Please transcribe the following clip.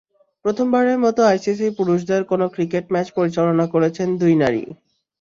প্রথমবারের মতো আইসিসির পুরুষদের কোনো ক্রিকেট ম্যাচ পরিচালনা করেছেন দুই নারী।